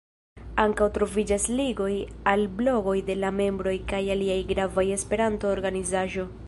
Ankaŭ troviĝas ligoj al blogoj de la membroj kaj aliaj gravaj esperanto-organizaĵoj.